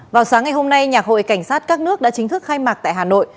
vào sáng ngày hôm nay nhạc hội cảnh sát các nước đã chính thức khai mạc tại hà nội